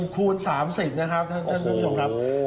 คูณ๓๐นะครับท่านผู้ชมครับ